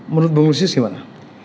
menurut bang lusius gimana